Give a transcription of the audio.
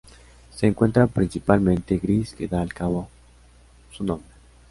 Se encuentra principalmente gris que da al cabo su nombre.